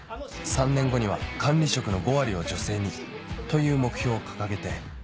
３年後には管理職の５割を女性にという目標を掲げて